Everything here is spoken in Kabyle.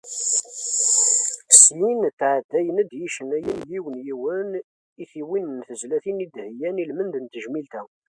Syin, ttɛeddayen-d yicennayen yiwen yiwen i tiwin n tezlatin i d-heyyan i lmend n tejmilt-a.